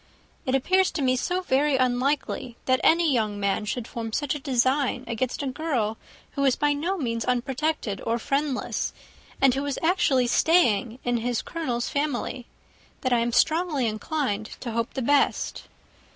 It appears to me so very unlikely that any young man should form such a design against a girl who is by no means unprotected or friendless, and who was actually staying in his Colonel's family, that I am strongly inclined to hope the best.